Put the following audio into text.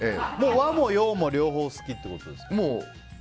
和も洋も両方好きってことですか。